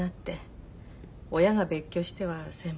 親が別居しては先方が。